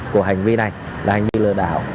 của hành vi này là hành vi lừa đảo